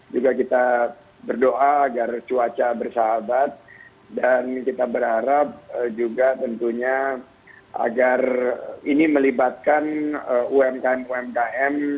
juga kita berdoa agar cuaca bersahabat dan kita berharap juga tentunya agar ini melibatkan umkm umkm